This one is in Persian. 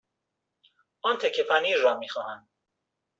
آن تکه پنیر را می خواهم.